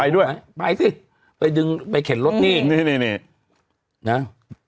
ไปด้วยไปซิไปดึงไปเข็นรถนี่นี่นี่นี่นะฮะ